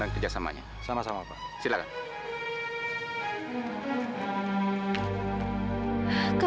nanti juga dia sadar sendiri